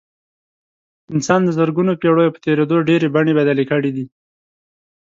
انسان د زرګونو پېړیو په تېرېدو ډېرې بڼې بدلې کړې دي.